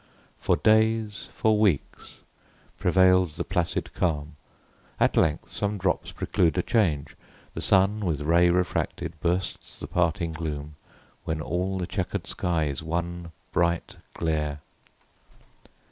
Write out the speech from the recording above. For days, for weeks, prevails the placid calm. At length some drops prelude a change: the sun With ray refracted, bursts the parting gloom, When all the chequer'd sky is one bright glare.